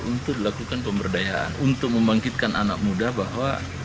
untuk dilakukan pemberdayaan untuk membangkitkan anak muda bahwa